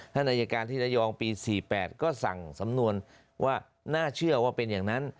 อายการที่ระยองปี๔๘ก็สั่งสำนวนว่าน่าเชื่อว่าเป็นอย่างนั้น